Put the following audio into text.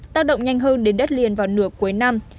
tác động nhanh hơn đến đất liền vào nửa cuối năm